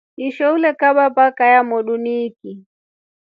Isho ulekaba baka yamotru yaiki.